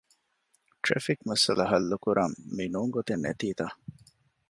ޓްރެފިކް މައްސަލަ ހައްލުކުރަން މި ނޫން ގޮތެއް ނެތީތަ؟